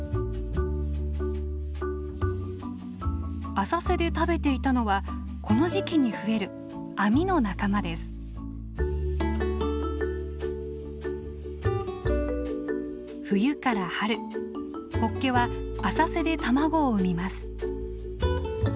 浅瀬で食べていたのはこの時期に増える冬から春ホッケは浅瀬で卵を産みます。